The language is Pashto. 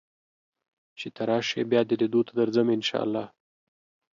چې ته راشې بیا دې لیدو ته درځم ان شاء الله